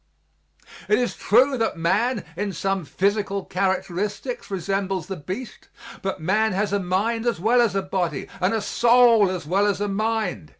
It is true that man, in some physical characteristics resembles the beast, but man has a mind as well as a body, and a soul as well as a mind.